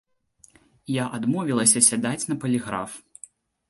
Я адмовілася сядаць на паліграф.